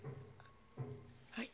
はい。